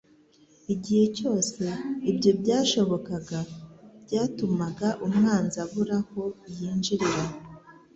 Igihe cyose ibyo byashobokaga byatumaga umwanzi abura aho yinjirira.